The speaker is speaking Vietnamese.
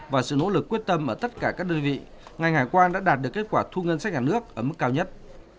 và sự nỗ lực quyết tâm ở tất cả các đơn vị ngành hải quan đã đạt được kết quả thu ngân sách nhà nước ở mức cao nhất